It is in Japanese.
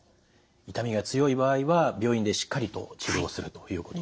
痛みが強い場合は病院でしっかりと治療するということ。